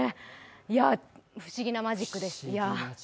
不思議なマジックです。